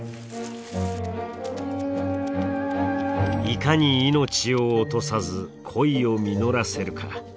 いかに命を落とさず恋を実らせるか。